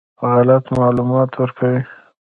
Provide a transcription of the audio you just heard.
غلط معلومات ورکوي.